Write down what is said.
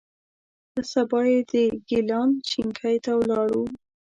په سبا یې د ګیلان شینکۍ ته ولاړو.